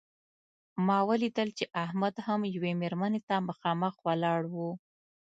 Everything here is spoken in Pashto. ما لیدل چې احمد هم یوې مېرمنې ته مخامخ ولاړ و.